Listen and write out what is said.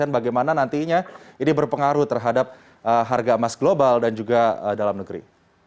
bagaimana nantinya ini berpengaruh terhadap harga emas global dan juga dalam negeri